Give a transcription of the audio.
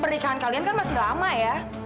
pernikahan kalian kan masih lama ya